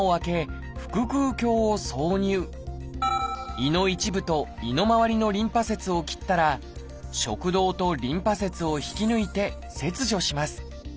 胃の一部と胃のまわりのリンパ節を切ったら食道とリンパ節を引き抜いて切除します。